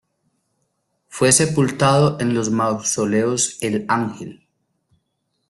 Fue sepultado en los Mausoleos el Ángel.